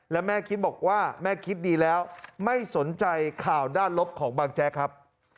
และแม่คิดบอกว่าแม่คิดดีแล้วไม่สนใจข่าวด้านลบของบางแจ๊กครับ